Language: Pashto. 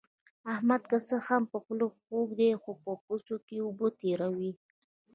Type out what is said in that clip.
احمد که څه هم په خوله خوږ دی، خو په بوسو کې اوبه تېروي.